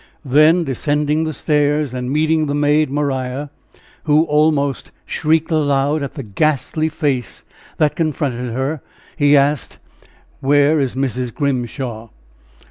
Then, descending the stairs, and meeting the maid Maria, who almost shrieked aloud at the ghastly face that confronted her, he asked: "Where is Mrs. Grimshaw?"